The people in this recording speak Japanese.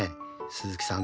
鈴木さん